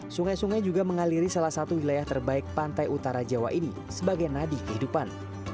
sungai sungai juga mengaliri salah satu wilayah terbaik pantai utara jawa ini sebagai nadi kehidupan